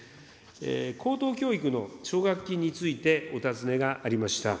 高等教育の奨学金についてお尋ねがありました。